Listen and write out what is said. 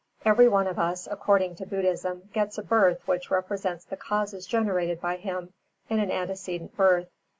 Every one of us, according to Buddhism, gets a birth which represents the causes generated by him in an antecedent birth.